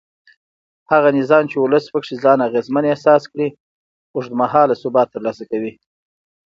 هغه نظام چې ولس پکې ځان اغېزمن احساس کړي اوږد مهاله ثبات ترلاسه کوي